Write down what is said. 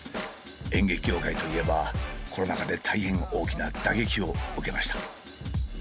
演劇業界といえばコロナ禍で大変大きな打撃を受けました。